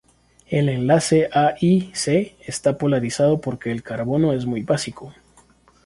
El enlace Al-C está polarizado porque el carbono es muy básico.